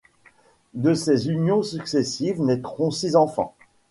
De ses unions successives naîtront six enfants.